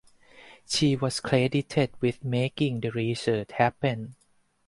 She was credited with making the research happen.